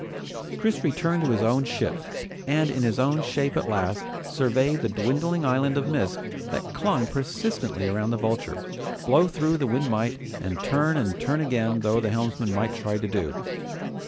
Chris returned to his own ship, and in his own shape at last, surveyed the dwindling island of mist that clung persistently around the Vulture, blow though the wind might, and turn and turn again though the helmsman might try to do.